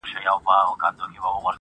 پر دا خپله خرابه مېنه مین یو-